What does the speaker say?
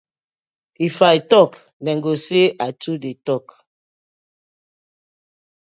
If I tok dem go quarll say I too dey tok.